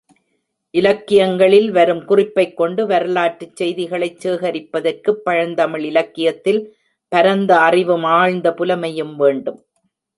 இலக்கியங்களில் வரும் குறிப்பைக் கொண்டு வரலாற்றுச் செய்திகளைச் சேகரிப்பதற்குப் பழந்தமிழ் இலக்கியத்தில் பரந்த அறிவும் ஆழ்ந்த புலமையும் வேண்டும்.